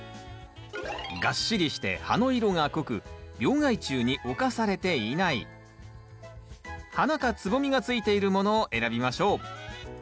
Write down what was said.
がっしりして葉の色が濃く病害虫に侵されていない花か蕾がついているものを選びましょう。